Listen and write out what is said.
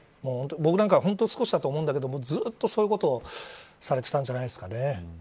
僕なんかは本当に少しだと思うんだけどずっと、そういうことをされてたんじゃないですかね。